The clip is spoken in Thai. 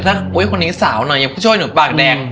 ถ้าคนนี้สาวหน่อยช่วยหนูปากแดก